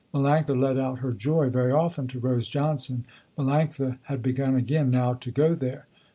Melanctha let out her joy very often to Rose Johnson. Melanctha had begun again now to go there.